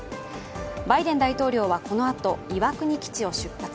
バイデン大統領はこのあと岩国基地を出発。